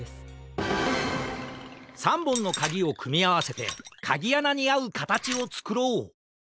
３ぼんのかぎをくみあわせてかぎあなにあうかたちをつくろう！